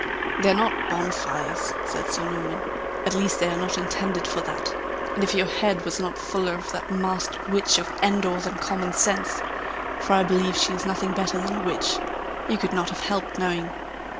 "They're not bonfires," said Sir Norman; "at least they are not intended for that; and if your head was not fuller of that masked Witch of Endor than common sense (for I believe she is nothing better than a witch), you could not have helped knowing.